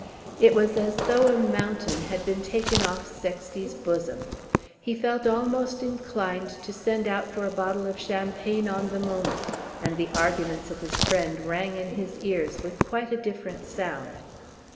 It was as though a mountain had been taken off Sexty's bosom. He felt almost inclined to send out for a bottle of champagne on the moment, and the arguments of his friend rang in his ears with quite a different sound.